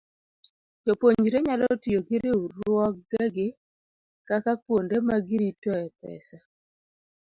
Jopuonjre nyalo tiyo gi riwruogegi kaka kuonde ma giritoe pesa.